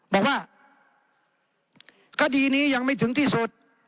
บอกว่าคดีนี้ยังไม่ถึงที่สุด